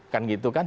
kan gitu kan